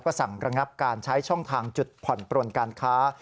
สั่งระงับการใช้ช่องทางจุดผ่อนปลนการค้า